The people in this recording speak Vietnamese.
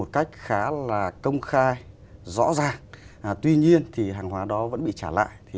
công khai rõ ràng tuy nhiên hàng hóa đó vẫn bị trả lại